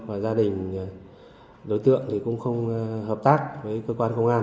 và gia đình đối tượng thì cũng không hợp tác với cơ quan công an